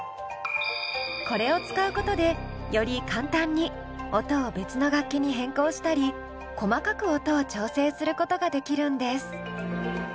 これを使うことでより簡単に音を別の楽器に変更したり細かく音を調整することができるんです。